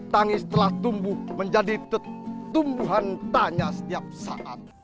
tangis telah tumbuh menjadi tumbuhan tanya setiap saat